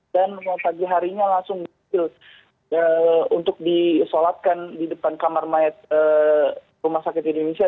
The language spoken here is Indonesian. dan pagi harinya langsung dihilang untuk disolatkan di depan kamar mayat rumah sakit indonesia